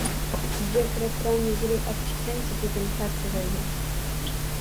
– Uyga kirib, biror yegulik opchiqsang-chi, – dedim Parpivoyga